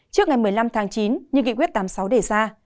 trước ngày một mươi năm tháng chín như nghị quyết tám mươi sáu đề ra